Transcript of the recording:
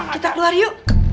kita keluar yuk